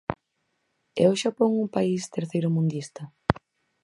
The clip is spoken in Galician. ¿É o Xapón un país terceiromundista?